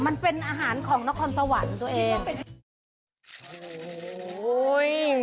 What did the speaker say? มันเป็นอาหารของนครสวรรค์ตัวเองโอ้โห